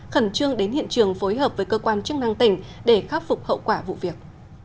khẩn trương đến hiện trường phối hợp với cơ quan chức năng tỉnh để khắc phục hậu quả vụ việc